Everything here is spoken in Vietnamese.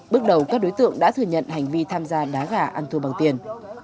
bước đầu các đối tượng đã thừa nhận hành vi tham gia đá gà ăn thua bằng tiền